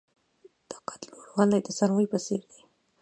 د قد لوړوالی د سروې په څیر دی.